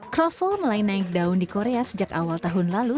kroffel mulai naik daun di korea sejak awal tahun lalu